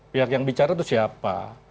pihak yang bicara itu siapa